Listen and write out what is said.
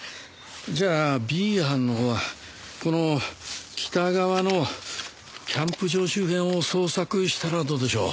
じゃあＢ班のほうはこの北側のキャンプ場周辺を捜索したらどうでしょう？